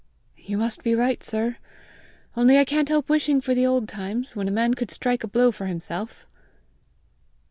"You must be right, sir! only I can't help wishing for the old times, when a man could strike a blow for himself!"